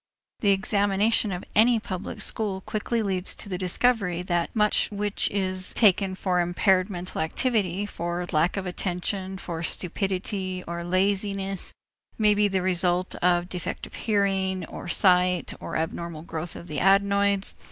The examination of any public school quickly leads to the discovery that much which is taken for impaired mental activity, for lack of attention, for stupidity, or laziness may be the result of defective hearing or sight or abnormal growth of the adenoids.